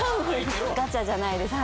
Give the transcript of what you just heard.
「ガチャじゃないです」。